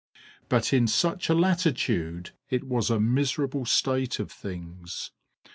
But in such a latitude it was a miserable state of things.